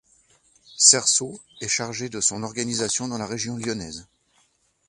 Cersot est chargé de son organisation dans la région lyonnaise.